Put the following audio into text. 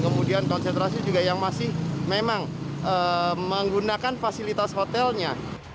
kemudian konsentrasi juga yang masih memang menggunakan fasilitas hotelnya